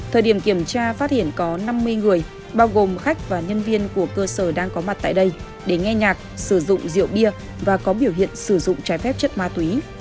thời điểm kiểm tra phát hiện có năm mươi người bao gồm khách và nhân viên của cơ sở đang có mặt tại đây để nghe nhạc sử dụng rượu bia và có biểu hiện sử dụng trái phép chất ma túy